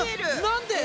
何で！？